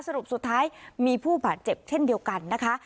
สรุปสุดท้ายมีผู้บาดเจ็บเช่นเดียวกันนะคะ